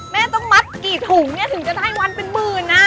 แม่ต้องมัดกี่ถุงจะให้วันเป็นหมื่น